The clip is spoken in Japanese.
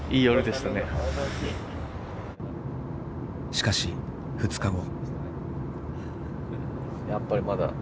しかし２日後。